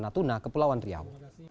natuna kepulauan riau